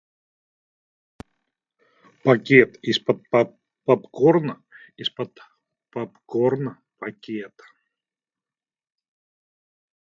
Пакет из-под попкорна, из-под попкорна пакет.